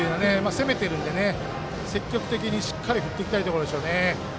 攻めてるんで、積極的にしっかり振っていきたいところでしょうね。